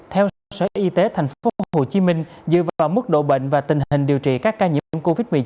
theo sở y tế tp hcm dựa vào mức độ bệnh và tình hình điều trị các ca nhiễm covid một mươi chín